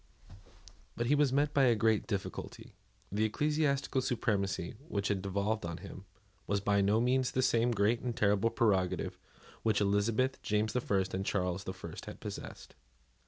But he was met by a great difficulty. The ecclesiastical supremacy which had devolved on him, was by no means the same great and terrible prerogative which Elizabeth, James the First, and Charles the First had possessed.